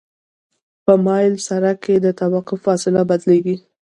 په مایل سرک کې د توقف فاصله بدلیږي